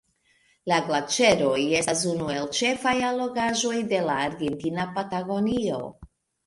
La glaĉeroj estas unu el ĉefaj allogaĵoj de la Argentina Patagonio.